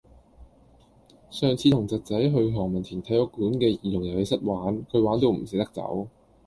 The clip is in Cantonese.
上次同侄仔去何文田體育館嘅兒童遊戲室玩，佢玩到唔捨得走。